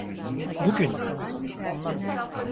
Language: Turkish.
Bugün mü?